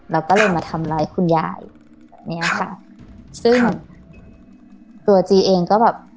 แล้วก็เลยมาทำร้ายคุณยายแบบเนี้ยค่ะซึ่งตัวจีเองก็แบบ